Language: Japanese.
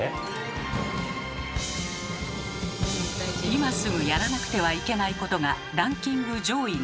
今すぐやらなくてはいけないことがランキング上位に。